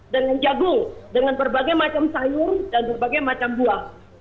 dengan jagung dengan berbagai macam sayur dan berbagai macam buah